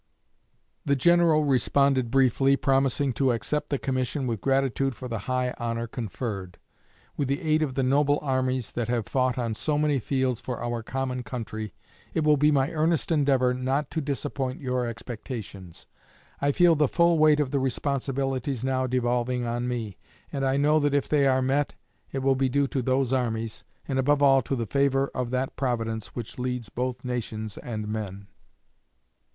The General responded briefly, promising to "accept the commission with gratitude for the high honor conferred. With the aid of the noble armies that have fought on so many fields for our common country, it will be my earnest endeavor not to disappoint your expectations. I feel the full weight of the responsibilities now devolving on me, and I know that if they are met it will be due to those armies, and above all to the favor of that Providence which leads both nations and men."